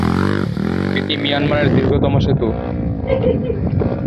এটি মিয়ানমারের দীর্ঘতম সেতু।